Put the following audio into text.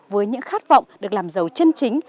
với những khát vọng được làm giàu chân chính